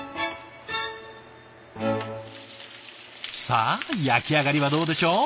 さあ焼き上がりはどうでしょう？